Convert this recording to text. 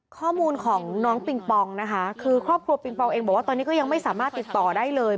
ข้อมูลของน้องปิงปองนะคะคือครอบครัวปิงปองเองบอกว่าตอนนี้ก็ยังไม่สามารถติดต่อได้เลย